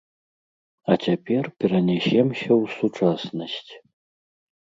А цяпер перанясемся ў сучаснасць.